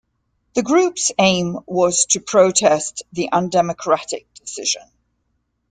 The group's aim was to protest the undemocratic decision.